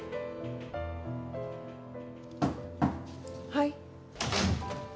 はい。